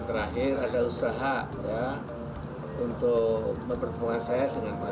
dan di istana negara